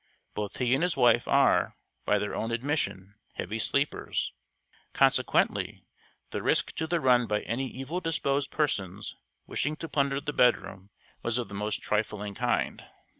Both he and his wife are, by their own admission, heavy sleepers; consequently, the risk to be run by any evil disposed persons wishing to plunder the bedroom was of the most trifling kind.